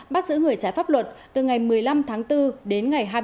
bắt giữ người trái pháp luật từ ngày một mươi năm tháng bốn đến ngày hai mươi